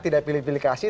tidak pilih pilih kasih